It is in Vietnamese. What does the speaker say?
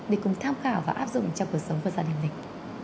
để cùng tham khảo và áp dụng trong cuộc sống của gia đình mình